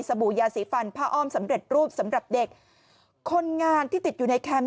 บู่ยาสีฟันผ้าอ้อมสำเร็จรูปสำหรับเด็กคนงานที่ติดอยู่ในแคมป